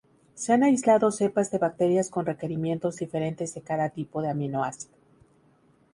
Se han aislado cepas de bacterias con requerimientos diferentes de cada tipo de aminoácido.